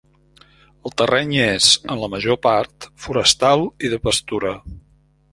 El terreny és, en la major part, forestal i de pastura.